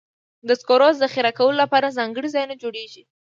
د سکرو ذخیره کولو لپاره ځانګړي ځایونه جوړېږي.